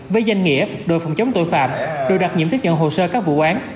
với danh nghĩa đồ phòng chống tội phạm đồ đặc nhiệm tiếp nhận hồ sơ các vụ án